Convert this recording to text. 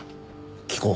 聞こう。